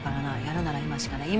やるなら今しかねぇ。